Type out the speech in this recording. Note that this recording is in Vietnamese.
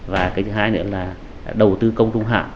và thứ hai nữa là đầu tư công trung hạng